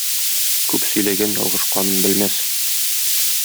Күп сөйләгән ялгышканын белмәс.